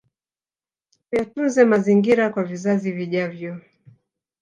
Tuyatunze mazingira kwa vizazi vijavyo